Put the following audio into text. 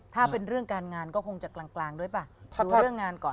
ถ้าเป็นเรื่องการงานก็คงจะกลางกลางด้วยป่ะดูเรื่องงานก่อน